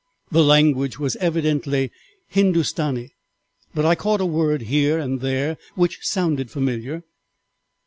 The language was evidently Hindustani, but I caught a word here and there which sounded familiar.